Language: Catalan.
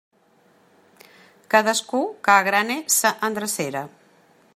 Cadascú que agrane sa endrecera.